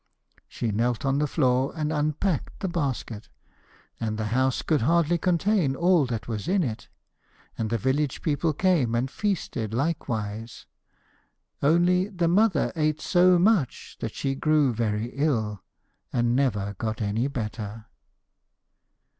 She knelt on the floor and unpacked the basket, and the house could hardly contain all that was in it; and the village people came and feasted likewise. Only the mother ate so much that she grew very ill, and never got any better.